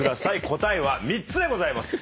答えは３つでございます。